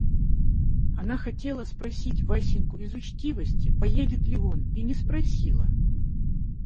Она хотела спросить Васеньку из учтивости, поедет ли он, и не спросила.